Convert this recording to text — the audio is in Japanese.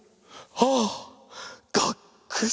はあがっくし！